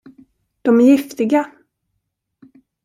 De är giftiga.